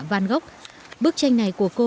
van gogh bức tranh này của cô